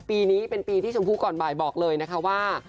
ปีนี้เป็นปีที่ชมพู่ก่อนบ่ายบอกเลยนะคะว่า